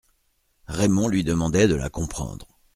Raymond lui demandait de la comprendre.